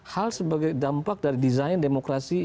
hal sebagai dampak dari desain demokrasi